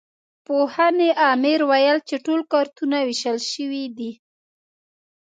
د پوهنې امر ویل چې ټول کارتونه وېشل شوي دي.